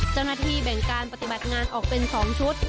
เจ้าหน้าที่แบ่งการปฏิบัติงานออกเป็น๒ชุด